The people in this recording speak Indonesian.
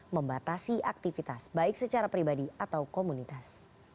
membatasi aktivitas baik secara pribadi atau komunitas